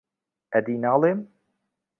ئەدی ناڵێم